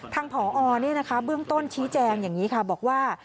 ทางผอเนี่ยนะคะเบื้องต้นชี้แจงอย่างนี้ค่ะบอกว่า